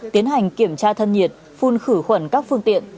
tiến hành kiểm tra thân nhiệt phun khử khuẩn các phương tiện